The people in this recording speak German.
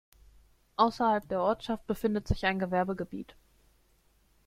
Außerhalb der Ortschaft befindet sich ein Gewerbegebiet.